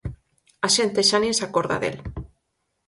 A xente xa nin se acorda del.